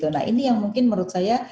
nah ini yang mungkin menurut saya